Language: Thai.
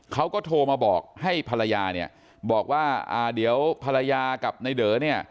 เขาก็โทรมาบอกให้ภรรยาบอกว่าอ่าเดี๋ยวภรรยากับนายเด๋อ